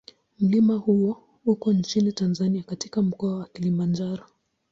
Mlima huo uko nchini Tanzania katika Mkoa wa Kilimanjaro.